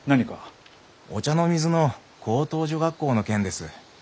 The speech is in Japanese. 御茶ノ水の高等女学校の件です。